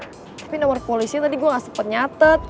tapi nomor polisinya tadi gue gak sempet nyatet